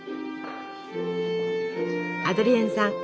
アドリエンさん